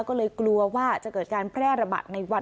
ก็เลยกลัวว่าจะเกิดการแพร่ระบาดในวัน